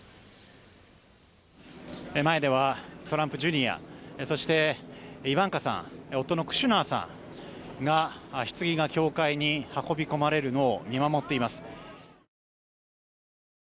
前では、トランプジュニアそしてイバンカさん夫のクシュナさんがひつぎが協会に運び込まれるのを見守っています。